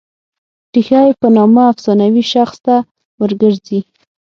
ریښه یې په نامه افسانوي شخص ته ور ګرځي.